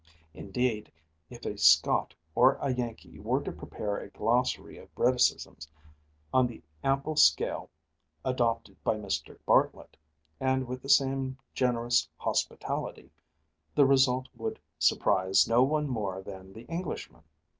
Indeed, if a Scot or a Yankee were to prepare a glossary of Briticisms on the ample scale adopted by Mr. Bartlett, and with the same generous hospitality, the result would surprise no one more than the Englishman.